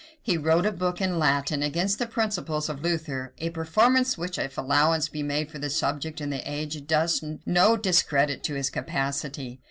He wrote a book in Latin against the principles of Luther; a performance which, if allowance be made for the subject and the age, does no discredit to his capacity.